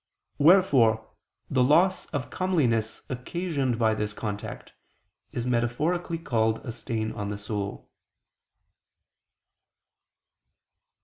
Wherefore the loss of comeliness occasioned by this contact, is metaphorically called a stain on the soul.